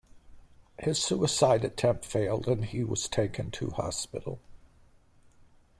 His suicide attempt failed, and he was taken to hospital.